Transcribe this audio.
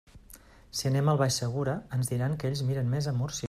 Si anem al Baix Segura, ens diran que ells miren més a Múrcia.